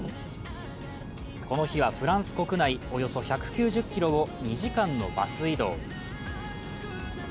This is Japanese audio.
この日は、フランス国内およそ１９０ｋｍを２時間のバス移動。